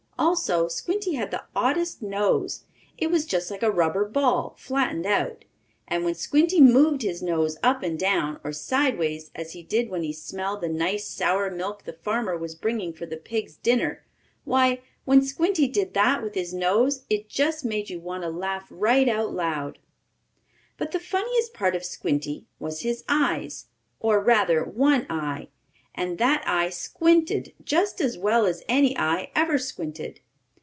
Also Squinty had the oddest nose! It was just like a rubber ball, flattened out, and when Squinty moved his nose up and down, or sideways, as he did when he smelled the nice sour milk the farmer was bringing for the pigs' dinner, why, when Squinty did that with his nose, it just made you want to laugh right out loud. But the funniest part of Squinty was his eyes, or, rather, one eye. And that eye squinted just as well as any eye ever squinted.